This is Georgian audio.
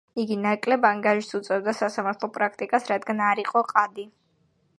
იგი ნაკლებ ანგარიშს უწევდა სასამართლო პრაქტიკას, რადგან არ იყო ყადი.